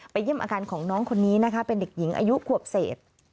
เยี่ยมอาการของน้องคนนี้นะคะเป็นเด็กหญิงอายุขวบเศษ